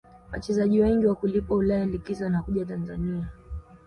wachezaji wengi wakulipwa ulaya likizo wanakuja tanzania